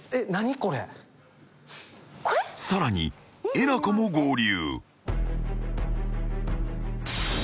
［さらにえなこも合流］